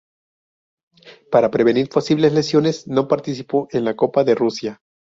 Para prevenir posibles lesiones no participó en la Copa de Rusia.